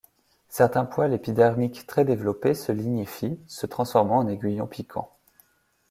Certains poils épidermiques très développés se lignifient, se transformant en aiguillons piquants.